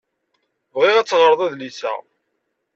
Bɣiɣ ad teɣreḍ adlis-a.